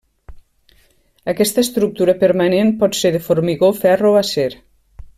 Aquesta estructura permanent pot ser de formigó, ferro o acer.